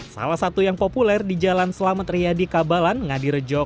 salah satu yang populer di jalan selamat riyadi kabalan ngadirejo